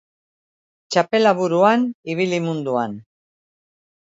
Txapela buruan, ibili munduan.